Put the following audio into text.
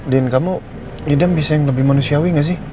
din kamu hidang bisa yang lebih manusiawi gak sih